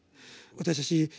私たち